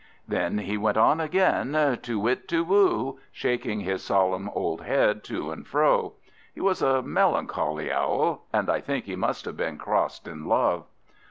Then he went on again, Too whit! too woo! shaking his solemn old head to and fro. He was a melancholy Owl; I think he must have been crossed in love.